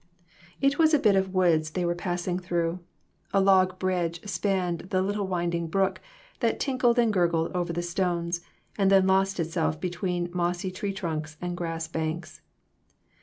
It was a bit of woods they were passing through. A log bridge spanned the little winding brook that tinkled and gurgled over the stones, and then lost itself between mossy tree trunks and grassy banks.